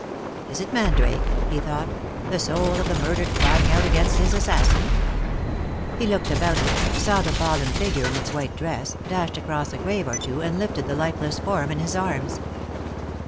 " Is it mandrake ?" he thought ;" the soul of the murdered crying out against his assassin P " He looked about him — saw the fallen figure in its white dress, dashed across a grave or two, and Hfted the lifeless form in his arms.